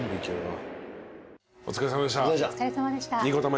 お疲れさまでした。